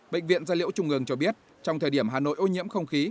bệnh viện gia liễu trung ương cho biết trong thời điểm hà nội ô nhiễm không khí